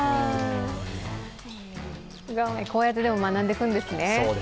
こうやって学んでいくんですね。